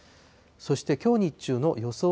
そしてきょう日中の予想